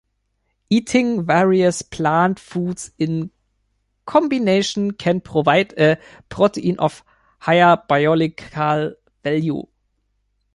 Eating various plant foods in combination can provide a protein of higher biological value.